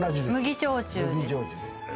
麦焼酎です